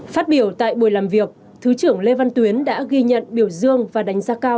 phát biểu tại buổi làm việc thứ trưởng lê văn tuyến đã ghi nhận biểu dương và đánh giá cao